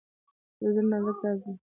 • ته د زړه نازک راز یې.